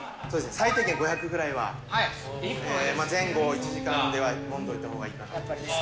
最低限５００ぐらいは、前後１時間では飲んどいたほうがいいかなと思います。